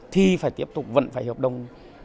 thì phải tiếp tục vận phải hợp đồng